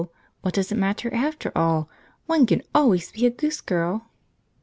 What does it matter, after all? One can always be a Goose Girl!